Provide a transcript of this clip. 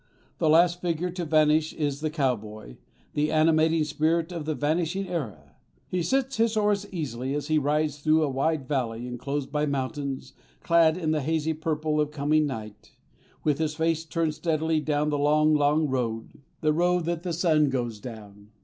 The last figure to vanish is the cowboy, the animating spirit of the vanishing era. He sits his horse easily as he rides through a wide valley, enclosed by mountains, clad in the hazy purple of coming night, with his face turned steadily down the long, long road, "the road that the sun goes down."